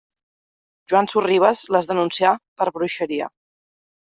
Joan Sorribes les denuncià per bruixeria.